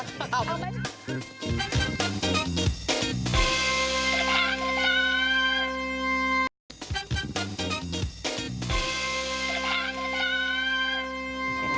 จ๊ะจ๊ะจ๊ะ